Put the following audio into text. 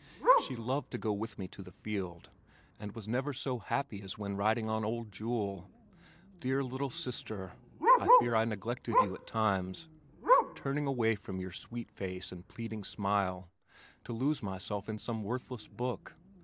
She loved to go with me to the field and was never so happy as when riding on old Jule. Dear little sister, I fear I neglected you at times, turning away from your sweet face and pleading smile to lose myself in some worthless book.